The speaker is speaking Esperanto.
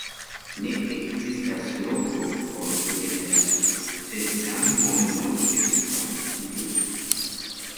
Ne ekzistas loko por du en la sukcesan mondon de Francio".